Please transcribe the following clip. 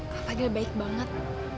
kak fadil baik banget